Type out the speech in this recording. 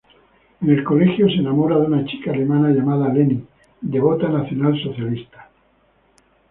En el colegio se enamora de una chica alemana llamada Leni, devota nacionalsocialista.